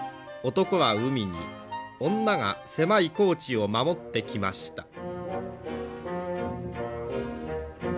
男は海に女が狭い耕地を守ってきました。